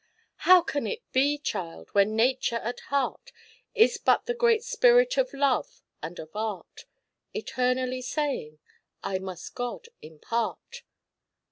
How can it be, child, When Nature at heart Is but the great spirit of love and of art Eternally saying, "I must God impart."